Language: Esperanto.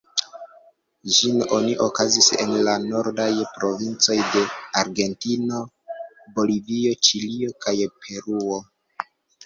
Ĝin oni okazigas en la nordaj provincoj de Argentino, Bolivio, Ĉilio kaj Peruo.